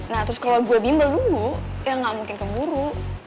nah terus kalau gue bimbel dulu ya nggak mungkin keburu